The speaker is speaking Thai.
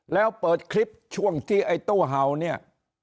แล้วเปิดคลิปช่วงที่ไอ้ตู้เห่าเนี่ย